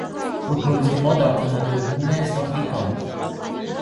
Ֆուտբոլիստի մոտ արձանագրվում է սրտի կանգ։